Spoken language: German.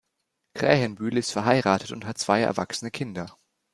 Krähenbühl ist verheiratet und hat zwei erwachsene Kinder.